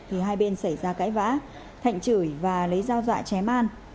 thì hai bên xảy ra cãi vã thạnh chửi và lấy dao dọa chém an